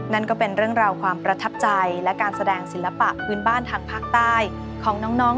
นั่นก็เป็นเรื่องราวความประทับใจและการแสดงศิลปะพื้นบ้านทางภาคใต้ของน้อง